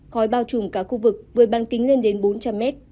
khói bao trùm cả khu vực với ban kính lên đến bốn trăm linh mét